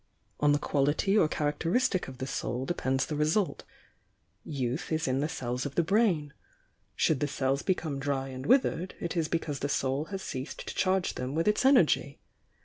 On the quality or characteristic of the soul depends the re sult. Youth is in the cells of the brain. Should the cells become dry and withered, it is because the soul has ceased to charge them with its energy.